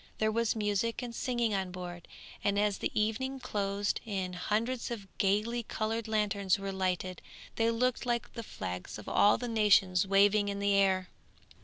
There was music and singing on board, and as the evening closed in hundreds of gaily coloured lanterns were lighted they looked like the flags of all nations waving in the air.